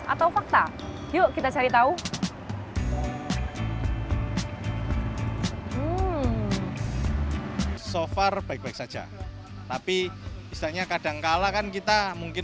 atau fakta yuk kita cari tahu so far baik baik saja tapi istilahnya kadangkala kan kita mungkin